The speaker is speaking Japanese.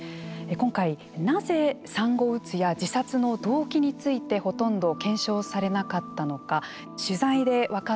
今回、なぜ産後うつや自殺の動機についてほとんど検証されなかったのか。